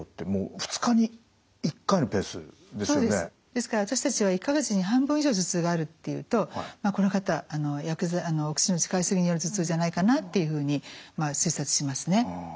ですから私たちは１か月に半分以上頭痛があるっていうとこの方お薬の使いすぎによる頭痛じゃないかなっていうふうにまあ推察しますね。